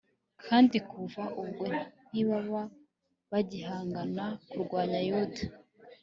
kandi kuva ubwo ntibaba bagihangara kurwanya yuda